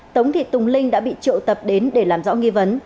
tống thị tùng linh đã bị triệu tập đến để làm rõ nghi vấn